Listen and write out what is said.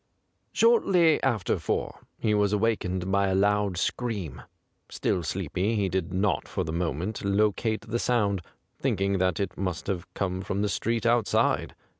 Shortly after four he was awak ened by a loud scream. Still sleepy, he did not for the moment locate the sound, thinking that it must have come from the street outside.